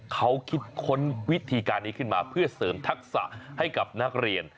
เขาคิดค้นวิธีการนี้ขึ้นมาเพื่อเสริมทักษะให้กับนักเรียน